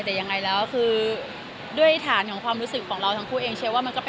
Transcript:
แต่ยังไงแล้วคือมันเป็นความรู้สึกที่จริงใจและดีค่ะ